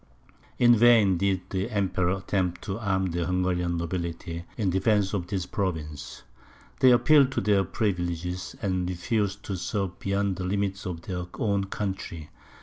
In vain did the Emperor attempt to arm the Hungarian nobility in defence of this province; they appealed to their privileges, and refused to serve beyond the limits of their own country.